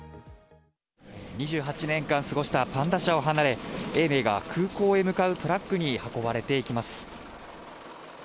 ２８年間過ごしたパンダ舎を離れて、永明が空港へ向かうトラックに運ばれています。